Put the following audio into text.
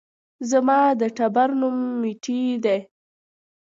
زما د ټبر نوم ميټى دى